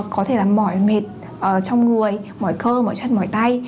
có thể là mỏi mệt trong người mỏi cơ mỏi chân mỏi tay